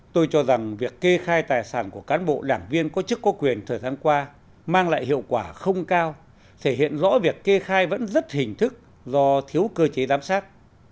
tôi cho rằng việc kê khai tài sản của cán bộ đảng viên có chức có quyền thời gian qua mang lại hiệu quả không cao thể hiện rõ việc kê khai vẫn rất hình thức do thiếu cơ chế giám sát